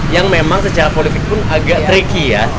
yang memang secara politik pun agak tricky ya